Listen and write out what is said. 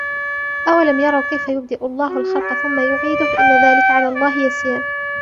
أولم يروا كيف يبدئ الله الخلق ثم يعيده إن ذلك على الله يسير